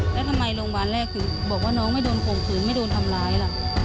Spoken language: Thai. แล้วทำไมโรงพยาบาลแรกคือบอกว่าน้องไม่โดนข่มขืนไม่โดนทำร้ายล่ะ